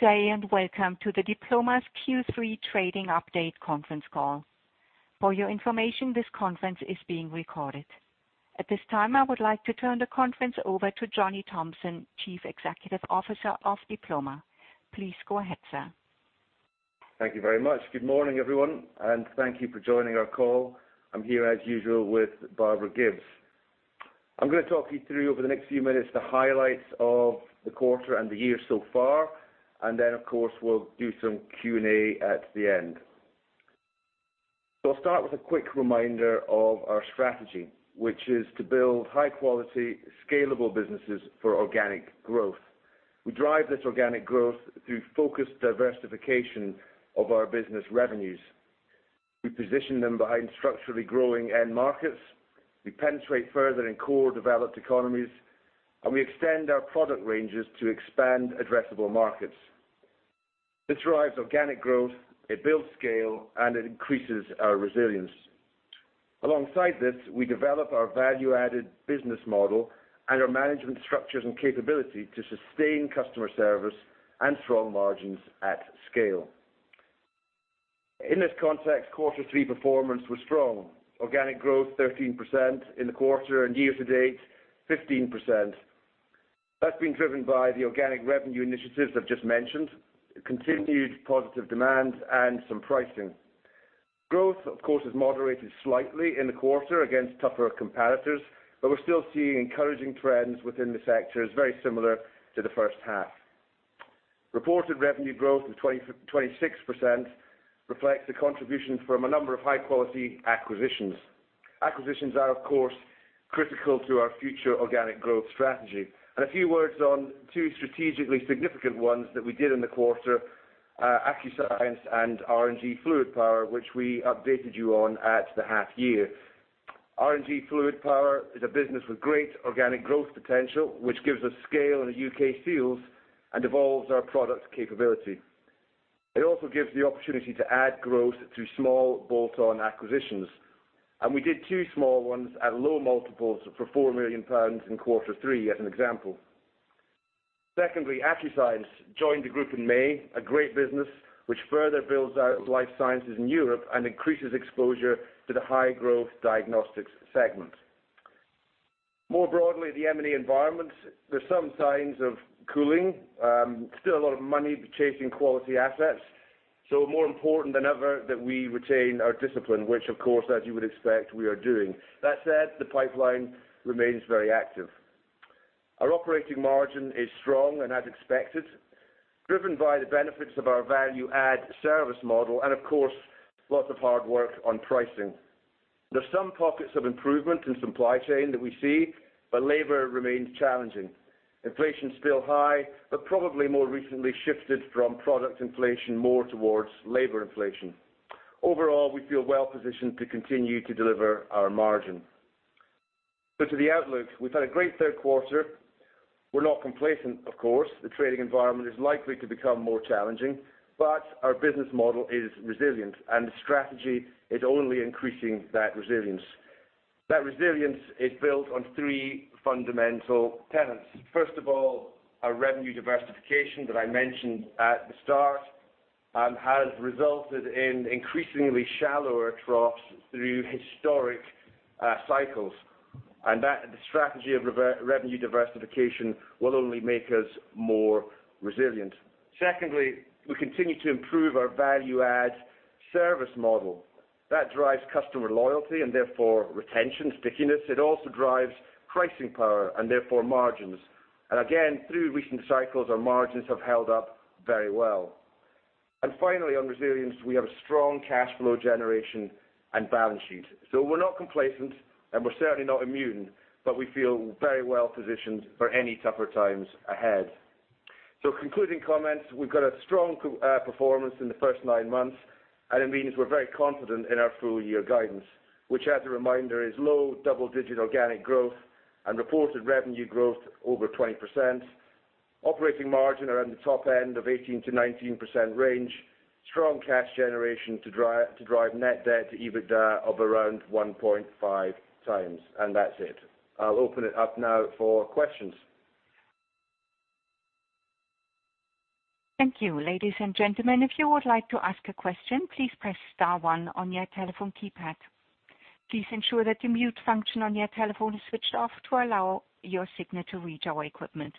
Good day, and welcome to the Diploma's Q3 trading update conference call. For your information, this conference is being recorded. At this time, I would like to turn the conference over to Johnny Thomson, Chief Executive Officer of Diploma. Please go ahead, sir. Thank you very much. Good morning, everyone, and thank you for joining our call. I'm here, as usual, with Barbara Gibbes. I'm gonna talk you through over the next few minutes the highlights of the quarter and the year so far. Then, of course, we'll do some Q&A at the end. I'll start with a quick reminder of our strategy, which is to build high quality, scalable businesses for organic growth. We drive this organic growth through focused diversification of our business revenues. We position them behind structurally growing end markets. We penetrate further in core developed economies, and we extend our product ranges to expand addressable markets. This drives organic growth, it builds scale, and it increases our resilience. Alongside this, we develop our value-added business model and our management structures and capability to sustain customer service and strong margins at scale. In this context, quarter three performance was strong. Organic growth 13% in the quarter and year to date 15%. That's been driven by the organic revenue initiatives I've just mentioned, continued positive demand, and some pricing. Growth, of course, has moderated slightly in the quarter against tougher comparators, but we're still seeing encouraging trends within the sectors very similar to the first half. Reported revenue growth of 26% reflects the contribution from a number of high-quality acquisitions. Acquisitions are, of course, critical to our future organic growth strategy. A few words on two strategically significant ones that we did in the quarter, Accuscience and R&G Fluid Power, which we updated you on at the half year. R&G Fluid Power is a business with great organic growth potential, which gives us scale in U.K. Seals and evolves our product capability. It also gives the opportunity to add growth through small bolt-on acquisitions. We did two small ones at low multiples for 4 million pounds in quarter three as an example. Secondly, Accuscience joined the group in May, a great business which further builds out life sciences in Europe and increases exposure to the high-growth diagnostics segment. More broadly, the M&A environment. There's some signs of cooling. Still a lot of money chasing quality assets, so more important than ever that we retain our discipline, which of course, as you would expect, we are doing. That said, the pipeline remains very active. Our operating margin is strong and as expected, driven by the benefits of our value-add service model and of course, lots of hard work on pricing. There's some pockets of improvement in supply chain that we see, but labor remains challenging. Inflation's still high, but probably more recently shifted from product inflation more towards labor inflation. Overall, we feel well positioned to continue to deliver our margin. To the outlook, we've had a great third quarter. We're not complacent, of course. The trading environment is likely to become more challenging, but our business model is resilient, and the strategy is only increasing that resilience. That resilience is built on three fundamental tenets. First of all, our revenue diversification that I mentioned at the start has resulted in increasingly shallower troughs through historic cycles. The strategy of revenue diversification will only make us more resilient. Secondly, we continue to improve our value add service model. That drives customer loyalty and therefore retention, stickiness. It also drives pricing power and therefore margins. Again, through recent cycles, our margins have held up very well. Finally, on resilience, we have a strong cash flow generation and balance sheet. We're not complacent, and we're certainly not immune, but we feel very well positioned for any tougher times ahead. Concluding comments, we've got a strong performance in the first nine months, and it means we're very confident in our full year guidance, which as a reminder, is low double-digit organic growth and reported revenue growth over 20%, operating margin around the top end of 18%-19% range, strong cash generation to drive net debt to EBITDA of around 1.5x. That's it. I'll open it up now for questions. Thank you. Ladies and gentlemen, if you would like to ask a question, please press star one on your telephone keypad. Please ensure that the mute function on your telephone is switched off to allow your signal to reach our equipment.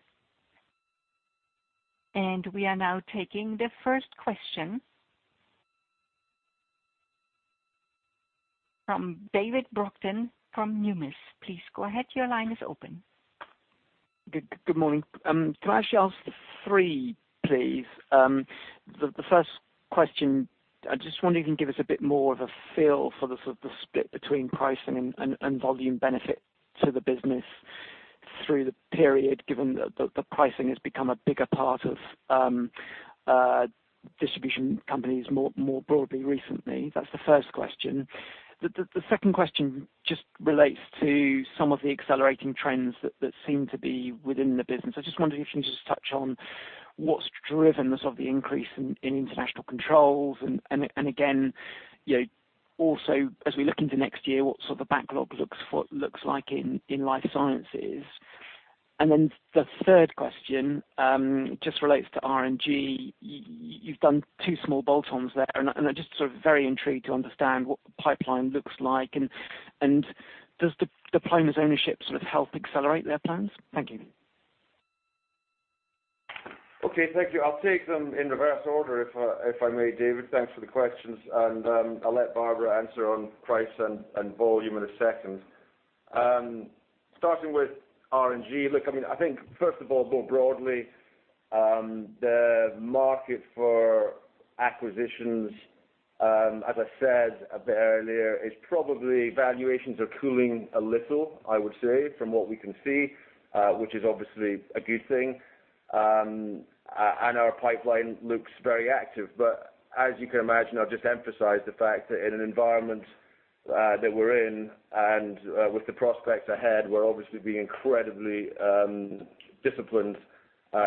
We are now taking the first question from David Brockton from Numis. Please go ahead. Your line is open. Good morning. Can I actually ask three, please? The first question, I just wonder if you can give us a bit more of a feel for the sort of split between pricing and volume benefit to the business through the period, given that the pricing has become a bigger part of distribution companies more broadly recently. That's the first question. The second question just relates to some of the accelerating trends that seem to be within the business. I just wonder if you can just touch on what's driven the sort of increase in International Controls and again, you know. Also, as we look into next year, what sort of backlog looks like in Life Sciences. Then the third question just relates to R&G. You've done two small bolt-ons there, and I just sort of very intrigued to understand what the pipeline looks like and does the Diploma's ownership sort of help accelerate their plans? Thank you. Okay, thank you. I'll take them in reverse order if I may, David. Thanks for the questions, and I'll let Barbara answer on price and volume in a second. Starting with R&G, look, I mean, I think first of all, more broadly, the market for acquisitions, as I said a bit earlier, is probably valuations are cooling a little, I would say, from what we can see, which is obviously a good thing. And our pipeline looks very active. But as you can imagine, I'll just emphasize the fact that in an environment that we're in, and with the prospects ahead, we're obviously being incredibly disciplined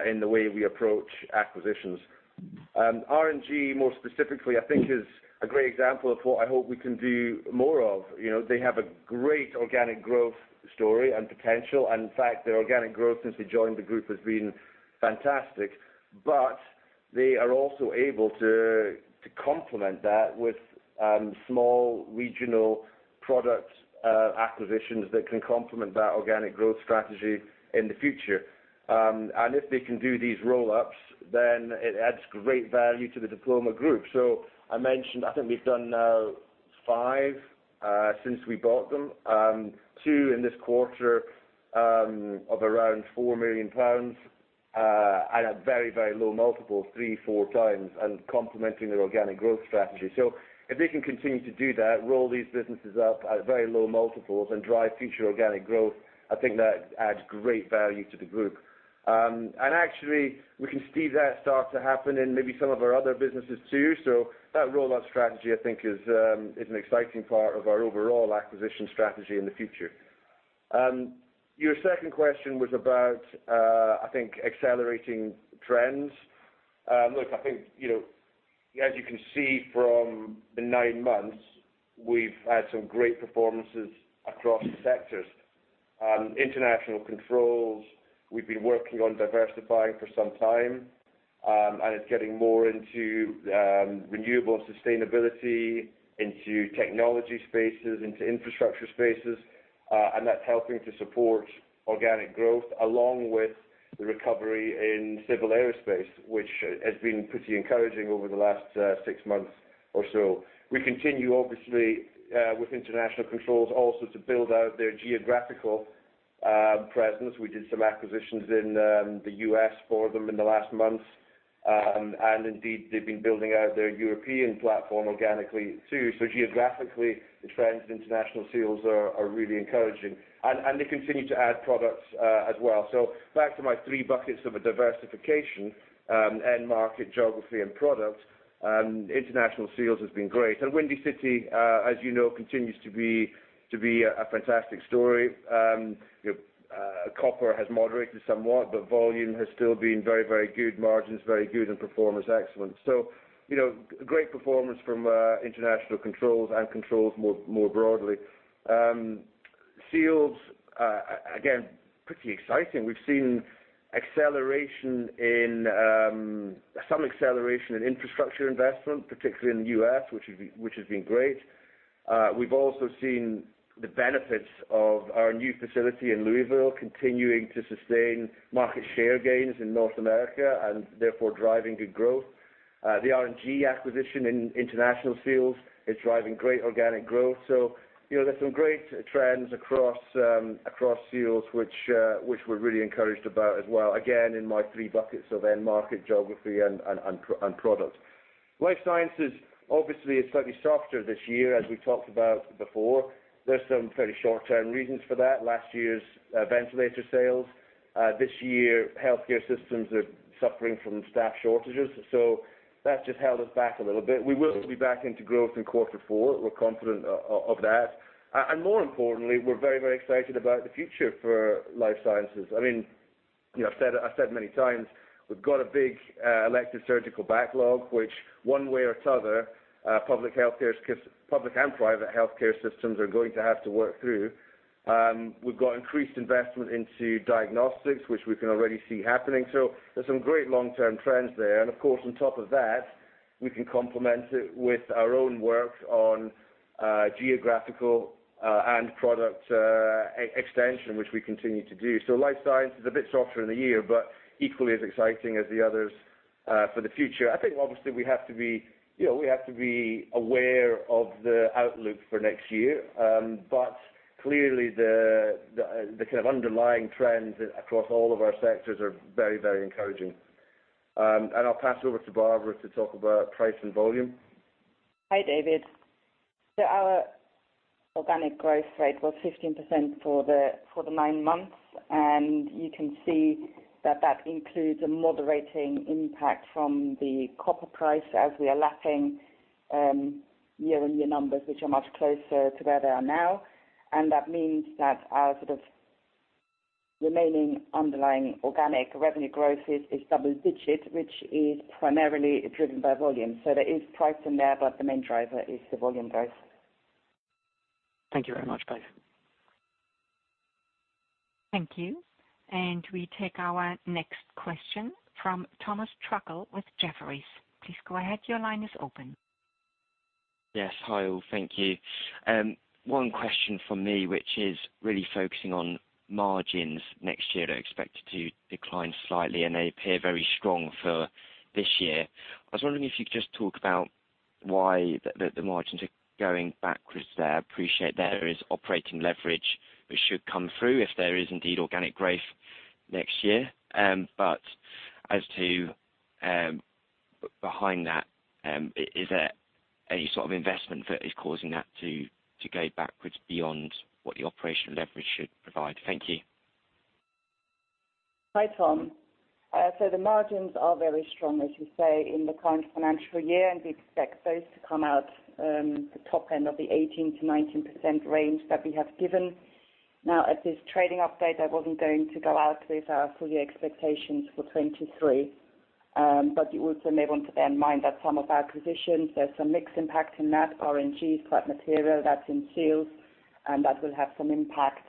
in the way we approach acquisitions. R&G, more specifically, I think is a great example of what I hope we can do more of. You know, they have a great organic growth story and potential, and in fact, their organic growth since they joined the group has been fantastic. They are also able to to complement that with small regional product acquisitions that can complement that organic growth strategy in the future. If they can do these roll-ups, then it adds great value to the Diploma group. I mentioned, I think we've done now five since we bought them, two in this quarter, of around 4 million pounds at a very, very low multiple, 3x-4x, and complementing their organic growth strategy. If they can continue to do that, roll these businesses up at very low multiples and drive future organic growth, I think that adds great value to the group. Actually, we can see that start to happen in maybe some of our other businesses too. That roll-out strategy, I think is an exciting part of our overall acquisition strategy in the future. Your second question was about, I think accelerating trends. Look, I think, you know, as you can see from the nine months, we've had some great performances across sectors. International Controls, we've been working on diversifying for some time, and it's getting more into renewable sustainability, into technology spaces, into infrastructure spaces, and that's helping to support organic growth along with the recovery in civil aerospace, which has been pretty encouraging over the last six months or so. We continue, obviously, with International Controls also to build out their geographical presence. We did some acquisitions in the U.S. for them in the last month. Indeed, they've been building out their European platform organically too. Geographically, the trends in International Seals are really encouraging. They continue to add products as well. Back to my three buckets of a diversification, end market, geography and products, International Seals has been great. Windy City, as you know, continues to be a fantastic story. Copper has moderated somewhat, but volume has still been very good, margins very good and performance excellent. You know, great performance from International Controls and Controls more broadly. Seals, again, pretty exciting. We've seen some acceleration in infrastructure investment, particularly in the U.S., which has been great. We've also seen the benefits of our new facility in Louisville continuing to sustain market share gains in North America and therefore driving good growth. The R&G acquisition in International Seals is driving great organic growth. You know, there's some great trends across Seals, which we're really encouraged about as well. Again, in my three buckets of end market, geography and product. Life sciences, obviously, is slightly softer this year, as we talked about before. There's some fairly short-term reasons for that. Last year's ventilator sales, this year, healthcare systems are suffering from staff shortages. That's just held us back a little bit. We will be back into growth in quarter four. We're confident of that. More importantly, we're very, very excited about the future for life sciences. I mean, you know, I've said many times, we've got a big elective surgical backlog, which one way or another, public and private healthcare systems are going to have to work through. We've got increased investment into diagnostics, which we can already see happening. There's some great long-term trends there. Of course, on top of that, we can complement it with our own work on geographical and product extension, which we continue to do. Life sciences is a bit softer in the year, but equally as exciting as the others for the future. I think obviously we have to be aware of the outlook for next year. Clearly the kind of underlying trends across all of our sectors are very, very encouraging. I'll pass over to Barbara to talk about price and volume. Hi, David. Our organic growth rate was 15% for the nine months, and you can see that includes a moderating impact from the copper price as we are lapping year-on-year numbers, which are much closer to where they are now. That means that our sort of remaining underlying organic revenue growth is double-digit, which is primarily driven by volume. There is price in there, but the main driver is the volume growth. Thank you very much, both. Thank you. We take our next question from Tom Truckle with Jefferies. Please go ahead. Your line is open. Yes. Hi all. Thank you. One question from me, which is really focusing on margins next year are expected to decline slightly, and they appear very strong for this year. I was wondering if you could just talk about why the margins are going backwards there. Appreciate there is operating leverage that should come through if there is indeed organic growth next year. As to behind that, is there any sort of investment that is causing that to go backwards beyond what the operational leverage should provide? Thank you. Hi, Tom. The margins are very strong, as you say, in the current financial year, and we expect those to come out the top end of the 18%-19% range that we have given. Now, at this trading update, I wasn't going to go out with our full year expectations for 2023. You also may want to bear in mind that some acquisitions, there's some mix impact in that. R&G is quite material. That's in Seals, and that will have some impact.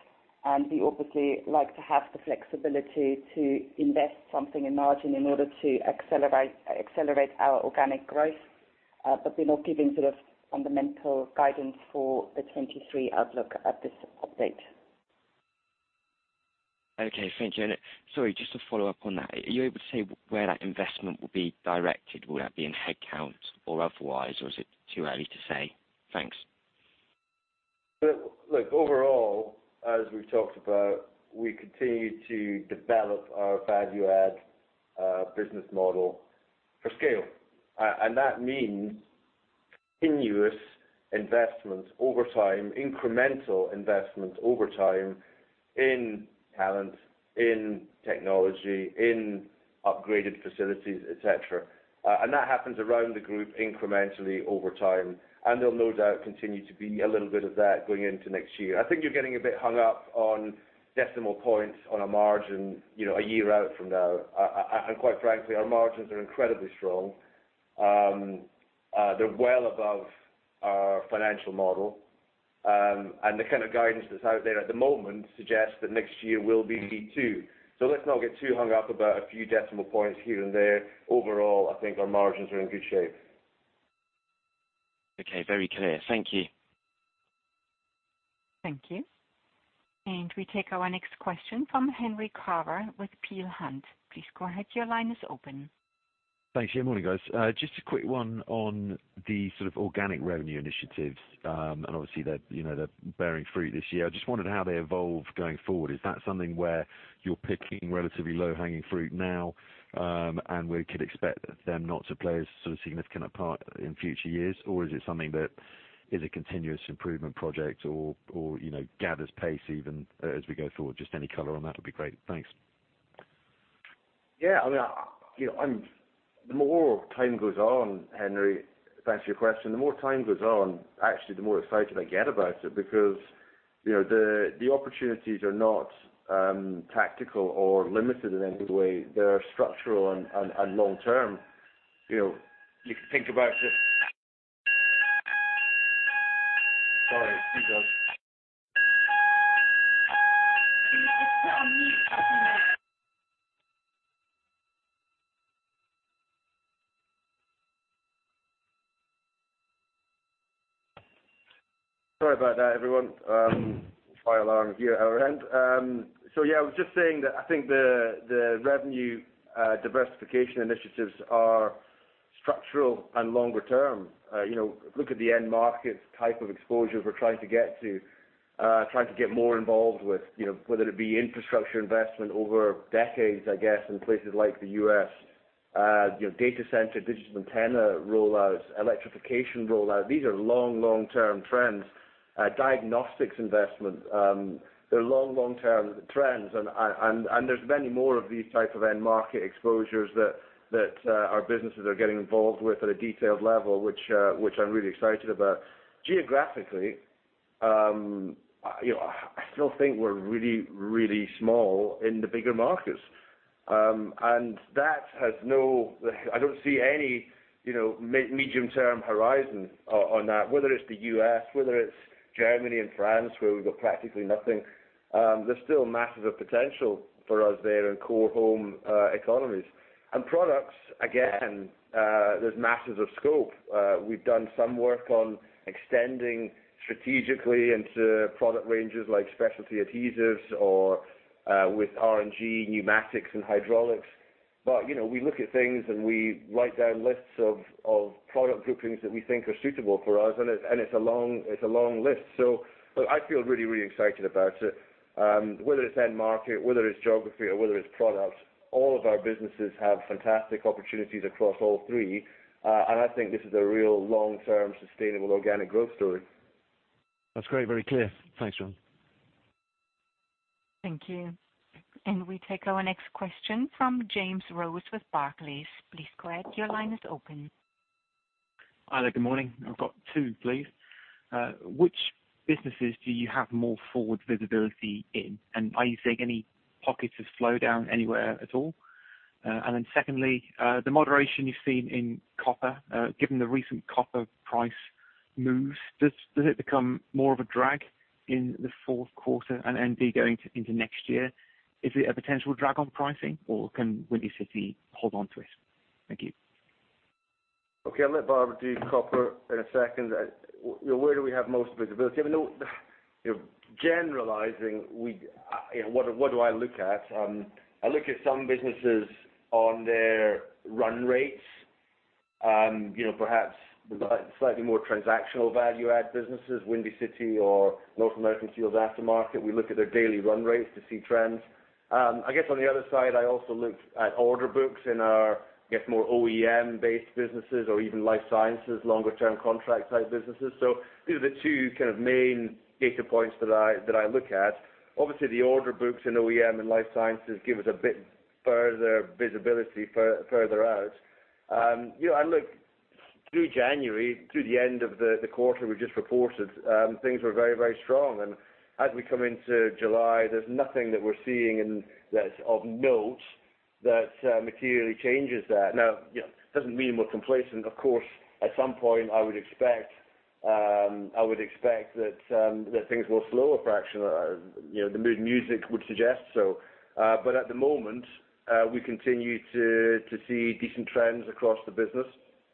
We obviously like to have the flexibility to invest something in margin in order to accelerate our organic growth. We're not giving sort of fundamental guidance for the 2023 outlook at this update. Okay. Thank you. Sorry, just to follow up on that, are you able to say where that investment will be directed? Will that be in headcount or otherwise, or is it too early to say? Thanks. Look, overall, as we've talked about, we continue to develop our value add business model for scale. That means continuous investments over time, incremental investments over time in talent, in technology, in upgraded facilities, et cetera. That happens around the group incrementally over time, and they'll no doubt continue to be a little bit of that going into next year. I think you're getting a bit hung up on decimal points on a margin, you know, a year out from now. Quite frankly, our margins are incredibly strong. They're well above our financial model. The kind of guidance that's out there at the moment suggests that next year will be too. Let's not get too hung up about a few decimal points here and there. Overall, I think our margins are in good shape. Okay. Very clear. Thank you. Thank you. We take our next question from Henry Carver with Peel Hunt. Please go ahead. Your line is open. Thanks. Yeah, morning, guys. Just a quick one on the sort of organic revenue initiatives. Obviously they're, you know, they're bearing fruit this year. I just wondered how they evolve going forward. Is that something where you're picking relatively low-hanging fruit now, and we could expect them not to play as, sort of, significant a part in future years? Or is it something that is a continuous improvement project or, you know, gathers pace even as we go forward? Just any color on that will be great. Thanks. Yeah. I mean, you know, the more time goes on, Henry, thanks for your question, the more time goes on, actually, the more excited I get about it because, you know, the opportunities are not tactical or limited in any way. They're structural and long term. You know, you can think about it. Sorry. Hang on. It's still on mute, Jonathan. Sorry about that, everyone. Fire alarm here at our end. So yeah, I was just saying that I think the revenue diversification initiatives are structural and longer term. You know, look at the end markets type of exposure we're trying to get to. Trying to get more involved with, you know, whether it be infrastructure investment over decades, I guess, in places like the U.S. You know, data center, digital antenna rollouts, electrification rollout, these are long-term trends. Diagnostics investment, they're long-term trends. There's many more of these type of end market exposures that our businesses are getting involved with at a detailed level, which I'm really excited about. Geographically, you know, I still think we're really small in the bigger markets. That has no I don't see any, you know, medium-term horizon on that, whether it's the U.S., whether it's Germany and France, where we've got practically nothing. There's still masses of potential for us there in core home economies. Products, again, there's masses of scope. We've done some work on extending strategically into product ranges like specialty adhesives or with R&G, pneumatics and hydraulics. You know, we look at things, and we write down lists of product groupings that we think are suitable for us, and it's a long list. Look, I feel really excited about it. Whether it's end market, whether it's geography or whether it's products, all of our businesses have fantastic opportunities across all three. I think this is a real long-term sustainable organic growth story. That's great. Very clear. Thanks, John. Thank you. We take our next question from James Rose with Barclays. Please go ahead. Your line is open. Hi there. Good morning. I've got two, please. Which businesses do you have more forward visibility in? Are you seeing any pockets of slowdown anywhere at all? Secondly, the moderation you've seen in copper, given the recent copper price moves, does it become more of a drag in the fourth quarter and going into next year? Is it a potential drag on pricing or can Windy City hold on to it? Thank you. Okay. I'll let Barbara do copper in a second. Where do we have most visibility? Even though, you know, generalizing, we, you know, what do I look at? I look at some businesses on their run rates. You know, perhaps slightly more transactional value add businesses, Windy City Wire or North American Seals Aftermarket. We look at their daily run rates to see trends. I guess on the other side, I also look at order books in our, I guess, more OEM-based businesses or even Life Sciences, longer-term contract type businesses. These are the two kind of main data points that I look at. Obviously, the order books in OEM and Life Sciences give us a bit further visibility further out. You know, I look through January to the end of the quarter we just reported, things were very strong. As we come into July, there's nothing that we're seeing and that's of note that materially changes that. Now, you know, it doesn't mean we're complacent. Of course, at some point I would expect that things will slow a fraction. You know, the mood music would suggest so. At the moment, we continue to see decent trends across the business.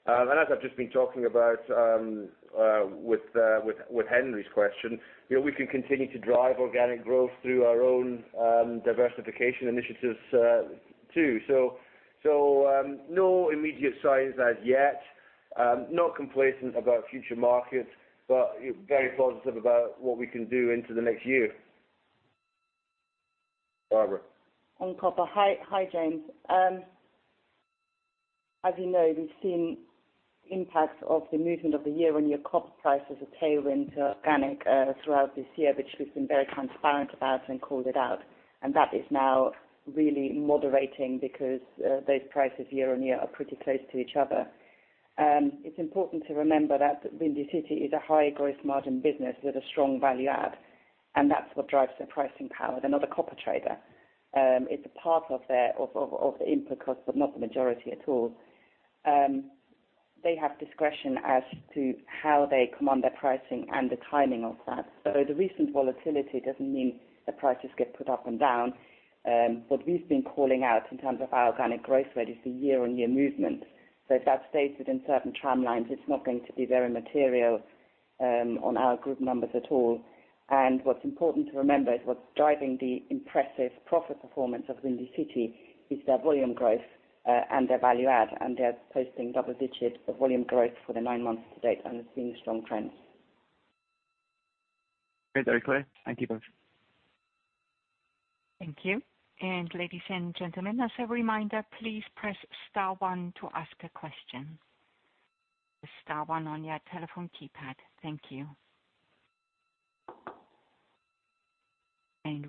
As I've just been talking about with Henry's question, you know, we can continue to drive organic growth through our own diversification initiatives, too. No immediate signs as yet. Not complacent about future markets, but, you know, very positive about what we can do into the next year. Barbara. On copper. Hi, James. As you know, we've seen impact of the movement of the year-on-year copper prices a tailwind to organic throughout this year, which we've been very transparent about and called it out. That is now really moderating because those prices year-on-year are pretty close to each other. It's important to remember that Windy City Wire is a high growth margin business with a strong value add, and that's what drives their pricing power. They're not a copper trader. It's a part of their input cost, but not the majority at all. They have discretion as to how they command their pricing and the timing of that. The recent volatility doesn't mean the prices get put up and down. What we've been calling out in terms of our organic growth rate is the year-on-year movements. If that stays within certain tramlines, it's not going to be very material on our group numbers at all. What's important to remember is what's driving the impressive profit performance of Windy City Wire is their volume growth, and their value add, and they're posting double digits of volume growth for the nine months to date, and we're seeing strong trends. Great. Very clear. Thank you both. Thank you. Ladies and gentlemen, as a reminder, please press star one to ask a question. Star one on your telephone keypad. Thank you.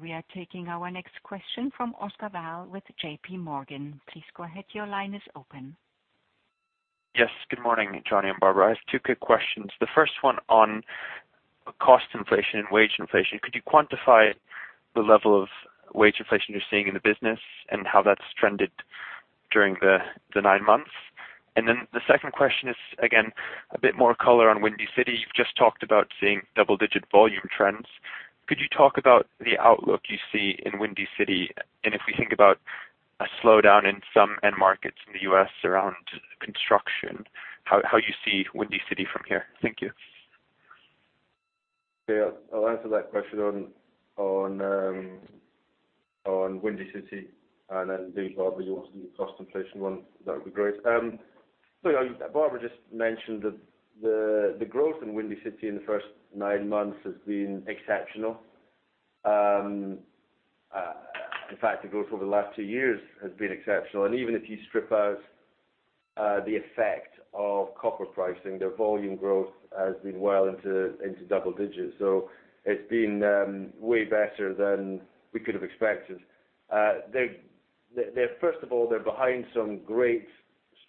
We are taking our next question from Oscar Wahl with JPMorgan. Please go ahead. Your line is open. Yes. Good morning, Johnny and Barbara. I have two quick questions. The first one on cost inflation and wage inflation. Could you quantify the level of wage inflation you're seeing in the business and how that's trended during the nine months? The second question is, again, a bit more color on Windy City Wire. You've just talked about seeing double-digit volume trends. Could you talk about the outlook you see in Windy City Wire? If we think about a slowdown in some end markets in the U.S. around construction, how you see Windy City Wire from here? Thank you. Yeah. I'll answer that question on Windy City, and then maybe Barbara, you want to do the cost inflation one, that would be great. You know, Barbara just mentioned the growth in Windy City in the first nine months has been exceptional. In fact, the growth over the last two years has been exceptional. Even if you strip out the effect of copper pricing, their volume growth has been well into double digits. It's been way better than we could have expected. They're first of all behind some great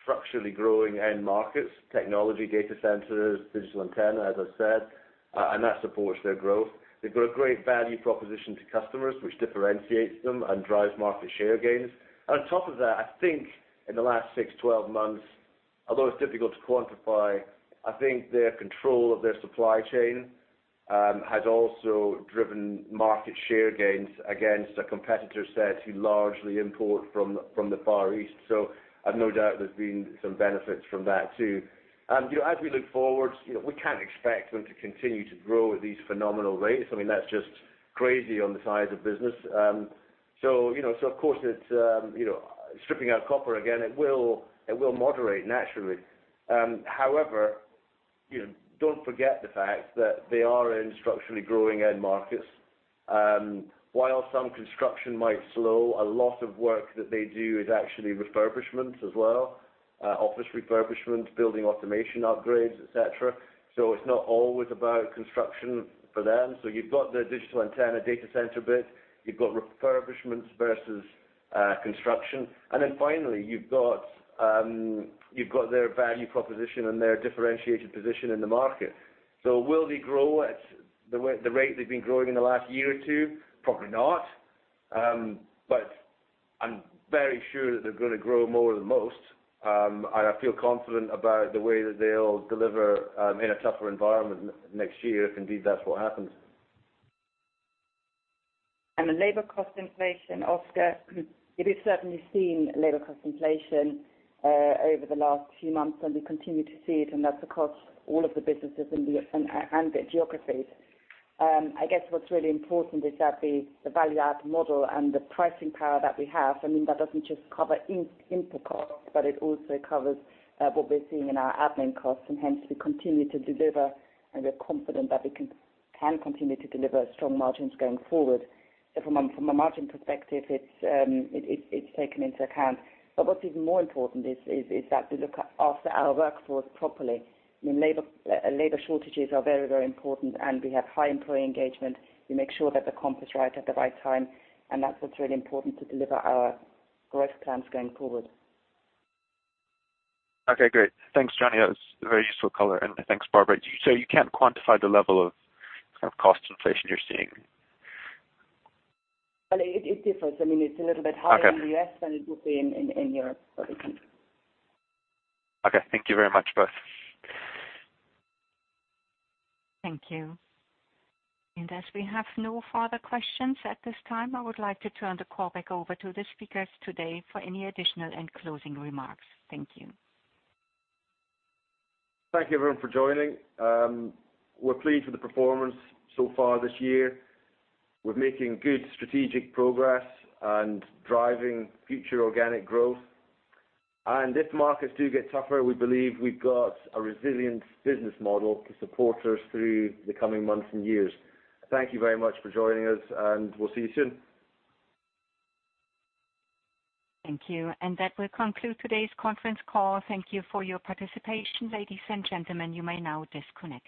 structurally growing end markets, technology data centers, digital antenna, as I said, and that supports their growth. They've got a great value proposition to customers, which differentiates them and drives market share gains. On top of that, I think in the last 6-12 months, although it's difficult to quantify, I think their control of their supply chain has also driven market share gains against a competitor set who largely import from the Far East. I've no doubt there's been some benefits from that too. You know, as we look forward, you know, we can't expect them to continue to grow at these phenomenal rates. I mean, that's just crazy on the size of business. You know, of course it's, you know, stripping out copper again, it will moderate naturally. However, you know, don't forget the fact that they are in structurally growing end markets. While some construction might slow, a lot of work that they do is actually refurbishment as well, office refurbishment, building automation upgrades, et cetera. It's not always about construction for them. You've got the digital antenna data center bit. You've got refurbishments versus construction. You've got their value proposition and their differentiated position in the market. Will they grow at the rate they've been growing in the last year or two? Probably not. I'm very sure that they're gonna grow more than most. I feel confident about the way that they'll deliver in a tougher environment next year, if indeed that's what happens. The labor cost inflation, Oscar, we've certainly seen labor cost inflation over the last few months, and we continue to see it, and that's across all of the businesses and their geographies. I guess what's really important is that the value add model and the pricing power that we have, I mean, that doesn't just cover input costs, but it also covers what we're seeing in our admin costs. Hence we continue to deliver, and we are confident that we can continue to deliver strong margins going forward. From a margin perspective, it's taken into account. What's even more important is that we look after our workforce properly. I mean, labor shortages are very, very important, and we have high employee engagement. We make sure that the comp is right at the right time, and that's what's really important to deliver our growth plans going forward. Okay, great. Thanks, Johnny. That was very useful color. Thanks, Barbara. You can't quantify the level of cost inflation you're seeing? Well, it differs. I mean, it's a little bit higher. Okay. in the US than it would be in Europe or the U.K. Okay. Thank you very much, both. Thank you. As we have no further questions at this time, I would like to turn the call back over to the speakers today for any additional and closing remarks. Thank you. Thank you everyone for joining. We're pleased with the performance so far this year. We're making good strategic progress and driving future organic growth. If markets do get tougher, we believe we've got a resilient business model to support us through the coming months and years. Thank you very much for joining us, and we'll see you soon. Thank you. That will conclude today's conference call. Thank you for your participation. Ladies and gentlemen, you may now disconnect.